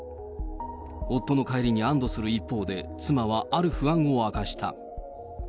夫の帰りに安どする一方で、妻はある不安を明かした。